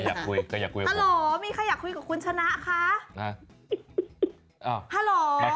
ฮัลโหลมีใครอยากคุยกับคุณชนะคะ